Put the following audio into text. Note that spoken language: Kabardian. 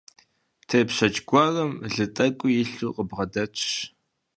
Тепщэч гуэрым лы тӀэкӀуи илъу къыбгъэдэтщ.